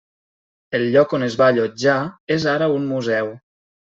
El lloc on es va allotjar és ara un museu.